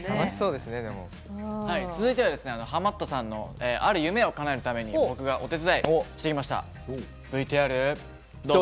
続いてはハマったさんのある夢をかなえるために僕がお手伝いしてきました。